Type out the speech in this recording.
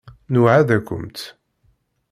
Nweεεed-akumt.